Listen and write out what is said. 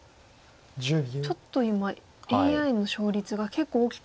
ちょっと今ＡＩの勝率が結構大きく。